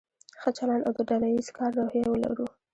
ښه چلند او د ډله ایز کار روحیه ولرو.